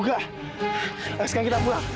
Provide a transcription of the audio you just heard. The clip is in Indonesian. gak mau pulang